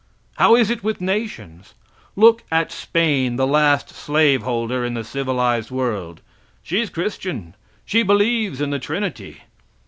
How is it with nations? Look at Spain, the last slave holder in the civilized world; she's christian, she believes in the trinity!